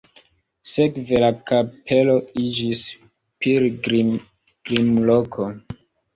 Sekve la kapelo iĝis pilgrimloko.